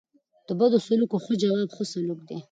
د بدو سلوکو ښه جواب؛ ښه سلوک دئ.